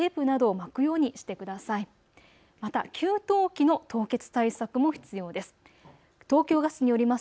また給湯器の凍結対策も必要です。